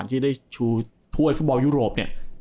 ที่ได้ชูถ้วยฟุตบอลยุโรปเนี่ย